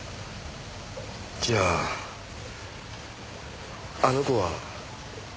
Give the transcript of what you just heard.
じゃああの子は。